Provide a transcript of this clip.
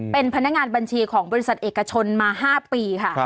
เป็นพนักงานบัญชีของบริษัทเอกชนมา๕ปีค่ะ